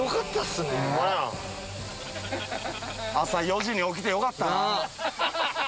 朝４時に起きてよかったな。